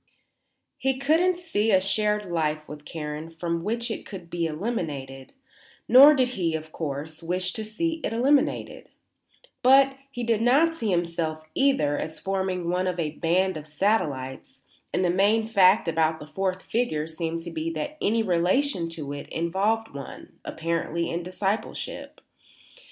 He couldn't see a shared life with Karen from which it could be eliminated, nor did he, of course, wish to see it eliminated; but he did not see himself, either, as forming one of a band of satellites, and the main fact about the fourth figure seemed to be that any relation to it involved one, apparently, in discipleship.